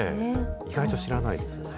意外と知らないですよね。